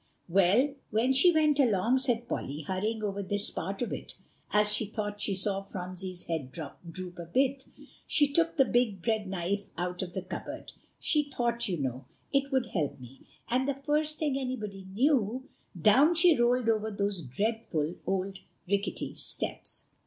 ] "Well, when she went along," said Polly, hurrying over this part of it, as she thought she saw Phronsie's head droop a bit, "she took the big bread knife out of the cupboard; she thought, you know, it would help me; and the first thing anybody knew, down she rolled over those dreadful old rickety steps!"